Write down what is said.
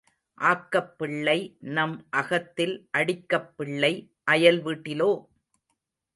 ஆக்கப் பிள்ளை நம் அகத்தில் அடிக்கப் பிள்ளை அயல் வீட்டிலோ?